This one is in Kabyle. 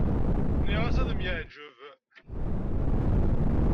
Nniɣ-as ad m-yeɛǧeb.